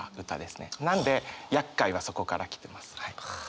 なんで「厄介」はそこから来てます。